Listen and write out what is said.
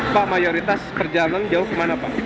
pak mayoritas perjalanan jauh kemana pak